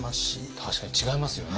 確かに違いますよね。